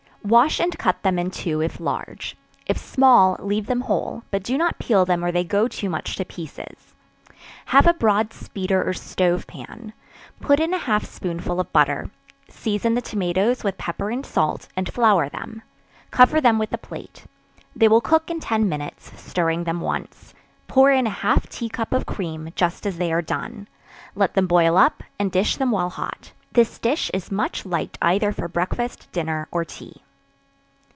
Wash and cut them in two, if large; if small, leave them whole, but do not peel them or they go too much to pieces; have a broad speeder or stove pan; put in a half spoonful of butter; season the tomatoes with pepper and salt, and flour them; cover them with a plate; they will cook in ten minutes, stirring them once; pour in half a tea cup of cream just as they are done; let them boil up and dish them while hot: this dish is much liked either for breakfast, dinner or tea.